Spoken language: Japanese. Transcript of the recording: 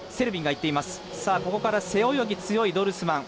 ここから背泳ぎが強いドルスマン。